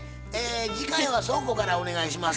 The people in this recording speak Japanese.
次回は倉庫からお願いします。